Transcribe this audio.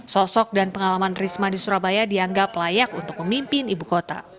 sosok dan pengalaman risma di surabaya dianggap layak untuk memimpin ibu kota